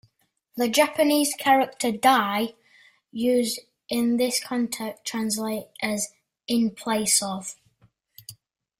The Japanese character "dai" used in this context translates as "in place of.